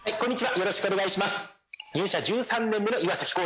よろしくお願いします